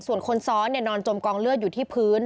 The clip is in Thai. ส่วนคนซ้อนนอนจมกองเลือดอยู่ที่พื้น